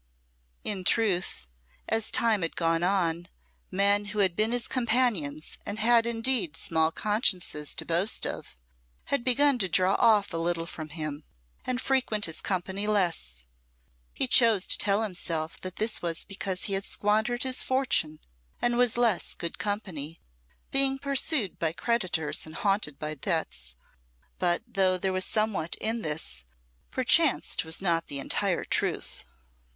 In truth, as time had gone on, men who had been his companions, and had indeed small consciences to boast of, had begun to draw off a little from him, and frequent his company less. He chose to tell himself that this was because he had squandered his fortune and was less good company, being pursued by creditors and haunted by debts; but though there was somewhat in this, perchance 'twas not the entire truth.